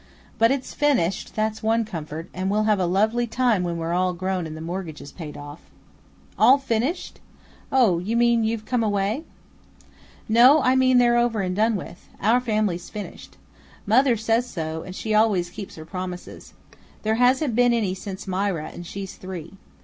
But it's finished, that's one comfort, and we'll have a lovely time when we're all grown up and the mortgage is paid off." "All finished? Oh, you mean you've come away?" "No, I mean they're all over and done with; our family 's finished. Mother says so, and she always keeps her promises. There hasn't been any since Mira, and she's three.